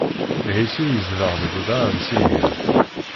Ɛisu yezdeɣ deg udrar n Siɛir.